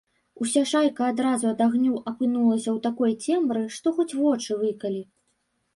Уся шайка адразу ад агню апынулася ў такой цемры, што хоць вочы выкалі.